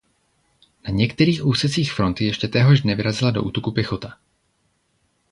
Na některých úsecích fronty ještě téhož dne vyrazila do útoku pěchota.